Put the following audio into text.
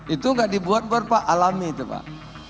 itu nggak dibuat buat pak alami itu pak